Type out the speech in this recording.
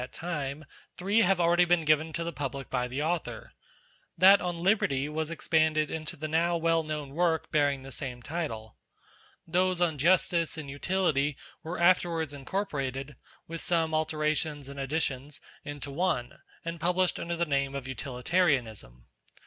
that time, three have already been given to the public by the Author. That on Liberty was ex panded into the now well known work bearing the same title. Those on Justice and Utility were afterwards incorporated, with some alterations and additions, into one, and published under the name of Utilitarianism.